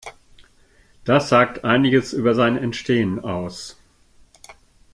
Das sagt einiges über sein Entstehen aus.